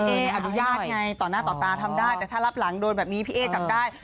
อนุญาตไงต่อหน้าต่อตาทำได้แต่ถ้ารับหลังโดนแบบนี้พี่เอ๊จับได้